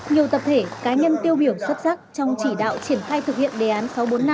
nhiều tập thể cá nhân tiêu biểu xuất sắc trong chỉ đạo triển khai thực hiện đề án sáu trăm bốn mươi năm